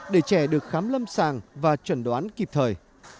để trẻ được khám lâm sàng và chuẩn đoán kịp thời